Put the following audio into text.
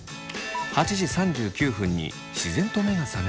８時３９分に自然と目が覚めました。